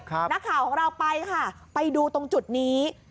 นักข่าวของเราไปค่ะไปดูตรงจุดนี้